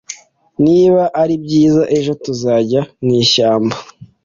Niba ari byiza ejo, tuzajya mwishyamba.